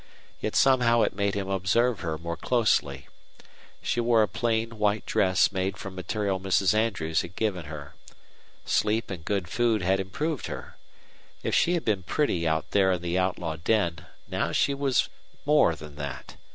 Yet somehow it made him observe her more closely. She wore a plain, white dress made from material Mrs. Andrews had given her. Sleep and good food had improved her. If she had been pretty out there in the outlaw den now she was more than that.